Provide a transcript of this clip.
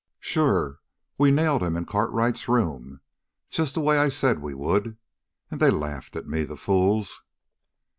"Sure! We nailed him in Cartwright's room, just the way I said we would. And they laughed at me, the fools!"